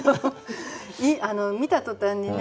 見た途端にね。